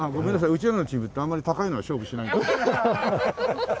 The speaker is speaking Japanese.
うちらのチームってあんまり高いのは勝負しない。